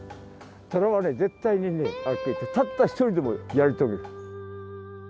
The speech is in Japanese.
トラはね絶対にたった一人でもやり遂げる。